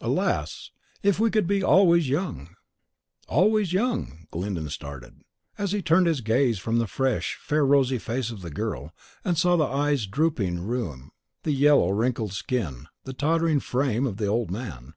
Alas! if we could be always young!" "Always young!" Glyndon started, as he turned his gaze from the fresh, fair, rosy face of the girl, and saw the eyes dropping rheum, the yellow wrinkled skin, the tottering frame of the old man.